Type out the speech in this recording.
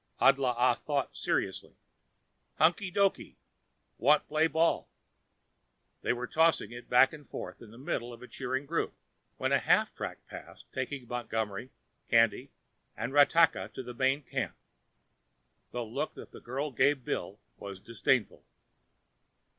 Adlaa thought seriously. "Hunky dokey. Want play ball." They were tossing it back and forth in the middle of a cheering group when a half track passed, taking Montgomery, Candy and Ratakka to the main camp. The look that the girl gave Bill was disdainful.